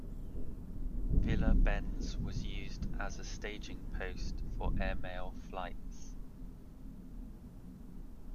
Villa Bens was used as a staging post for airmail flights.